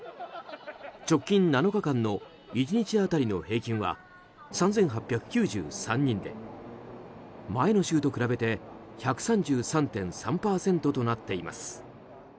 直近７日間の１日当たりの平均は３８９３人で前の週と比べて１３３．３％となっています。